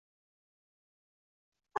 Qo‘y, bolam, akang boshqasini topib berar.